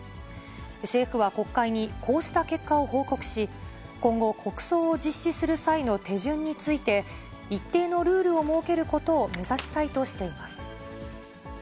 政府は国会にこうした結果を報告し、今後、国葬を実施する際の手順について、一定のルールを設けることを目指したいとしています。